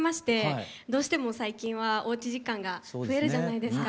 どうしても最近はおうち時間が増えるじゃないですか。